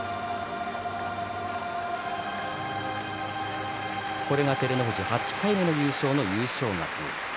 拍手照ノ富士、８回目の優勝の優勝額です。